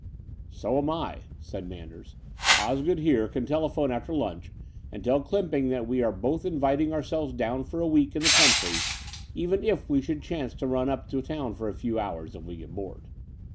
So am I," said Manders. "Osgood here can telephone after lunch and tell Clymping that we are both inviting ourselves down for a week in the country, even if we should chance to nm up to town for a few hours, if we get bored.